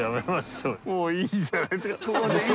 ここでいいじゃないですか。